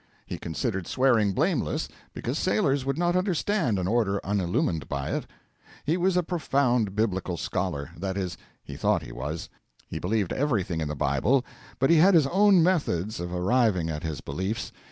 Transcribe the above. He considered swearing blameless, because sailors would not understand an order unillumined by it. He was a profound Biblical scholar that is, he thought he was. He believed everything in the Bible, but he had his own methods of arriving at his beliefs.